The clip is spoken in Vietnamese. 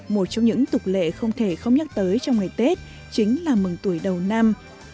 một trong những tục lệ không thể không nhắc tới trong ngày tết chính là mừng tuổi đầu năm